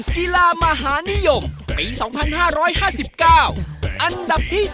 กีฬามหานิยมปี๒๕๕๙อันดับที่๓